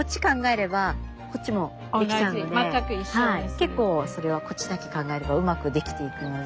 結構それはこっちだけ考えればうまく出来ていくので。